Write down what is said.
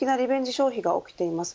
消費が起きています。